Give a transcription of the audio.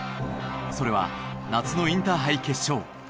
それは夏のインターハイ決勝。